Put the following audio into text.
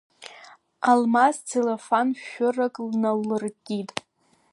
Алмас целлофан шәырак наллыркит.